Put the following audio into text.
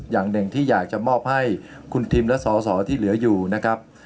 อย่างหนึ่งที่อยากจะมอบให้คุณทิมและสอสอที่เหลืออยู่นะครับ